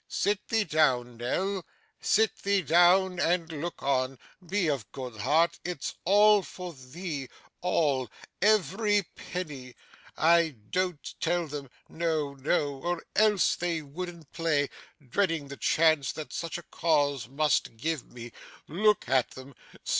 'Sit thee down, Nell, sit thee down and look on. Be of good heart, it's all for thee all every penny. I don't tell them, no, no, or else they wouldn't play, dreading the chance that such a cause must give me. Look at them.